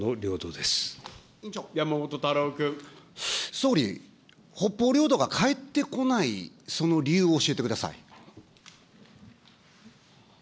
総理、北方領土が返ってこない、その理由を教えてください。